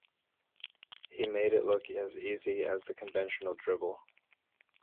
He made it look as easy as the conventional dribble.